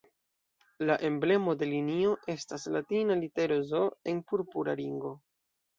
La emblemo de linio estas latina litero "Z" en purpura ringo.